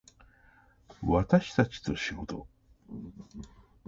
私たちと仕事